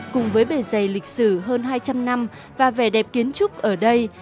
cùng với bề dày lịch sử hơn hai trăm linh năm và vẻ đẹp kiến trúc ở đây